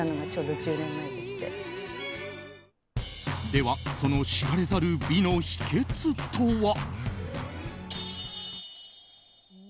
ではその知られざる美の秘訣とは。